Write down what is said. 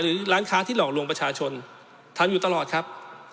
ร้านค้าที่หลอกลวงประชาชนทำอยู่ตลอดครับ